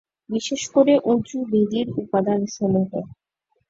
বিশেষ করে উঁচু বেদির উপাদানসমূহ।